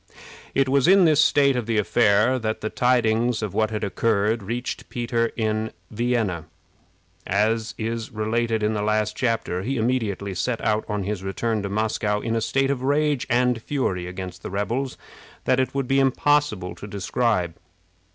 It was in this state of the affair that the tidings of what had occurred reached Peter in Vienna, as is related in the last chapter. He immediately set out on his return to Moscow in a state of rage and fury against the rebels that it would be impossible to describe.